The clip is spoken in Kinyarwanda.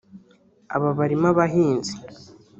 Aba barimo abahinzi